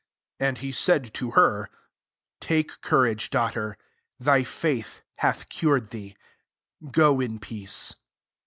48 And he said to her, •♦ [Take courage,] daughter ; thy faith hath cured thee: go in peace."